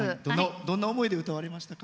どんな思いで歌われましたか？